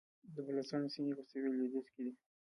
د بلوڅانو سیمې په سویل لویدیځ کې دي